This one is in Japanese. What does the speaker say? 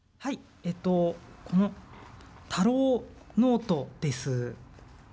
このたろうノートです。